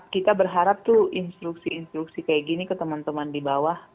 kita berharap instruksi instruksi seperti ini ke teman teman di bawah